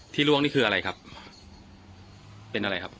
ล่วงนี่คืออะไรครับเป็นอะไรครับ